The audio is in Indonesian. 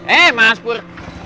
eh mas pur